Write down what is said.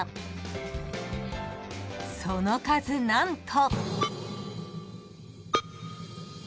［その数何と］